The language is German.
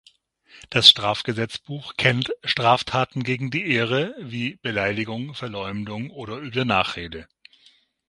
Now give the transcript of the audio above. Das Strafgesetzbuch kennt „Straftaten gegen die Ehre“ wie Beleidigung, Verleumdung oder üble Nachrede.